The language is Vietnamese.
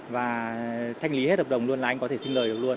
và thanh lý hết hợp đồng luôn là anh có thể xin lời được luôn